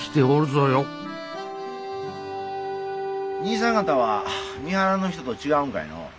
にいさん方は三原の人と違うんかいの？